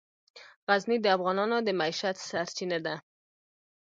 غزني د افغانانو د معیشت سرچینه ده.